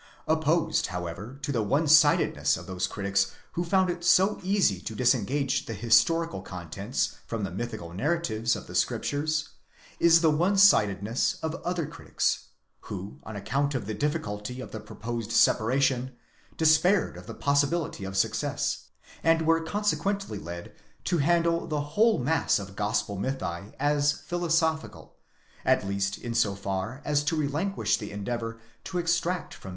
Opposed however to the onesidedness of those critics who found it so easy to disengage the historical contents from the mythical narratives of the ~ Scriptures, is the onesidedness of other critics, who, on account of the difficulty of the proposed separation, despaired of the possibility of success, and were consequently led to handle the whole mass of gospel mythi as philosophical, at least in so far as to relinquish the endeavour to extract from.